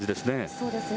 そうですね。